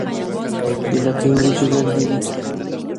د لکۍ وریجې ګردې وي.